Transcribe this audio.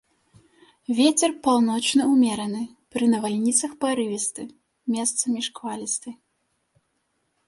Вецер паўночны ўмераны, пры навальніцах парывісты, месцамі шквалісты.